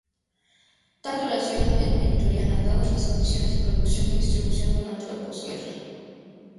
Tal duración es meritoria, dadas las condiciones de producción y distribución durante la posguerra.